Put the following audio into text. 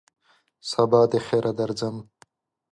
سبا دخیره درځم !